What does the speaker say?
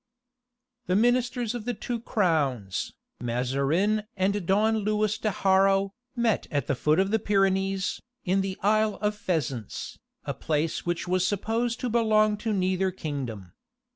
The ministers of the two crowns, Mazarine and Don Louis de Haro, met at the foot of the Pyrenees, in the Isle of Pheasants, a place which was supposed to belong to neither kingdom.